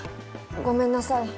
ごめんなさい。